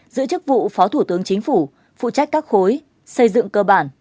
giữ chức vụ phó thủ tướng chính phủ phụ trách các khối xây dựng cơ bản